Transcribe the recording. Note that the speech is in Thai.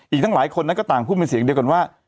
อีกทั้งหลายคนนั้นก็ต่างพูดเป็นเสียงเดียวกันว่า